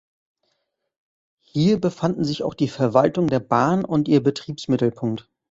Hier befanden sich auch die Verwaltung der Bahn und ihr Betriebsmittelpunkt.